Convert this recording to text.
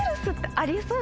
ありそう。